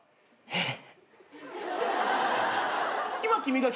えっ？